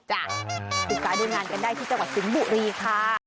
จ้ะติดต่อดูงานกันได้ที่จังหวัดสินบุรีค่ะ